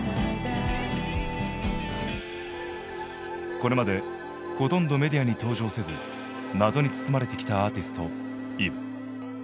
これまでほとんどメディアに登場せず謎に包まれてきたアーティストＥｖｅ。